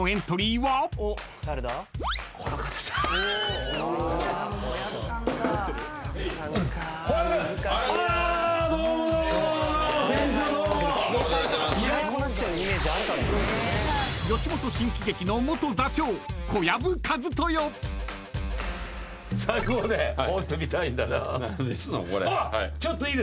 はい。